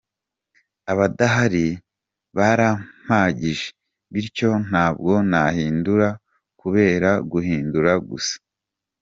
Abahari barampagije bityo ntabwo nahidnura kubera guhindura gusa.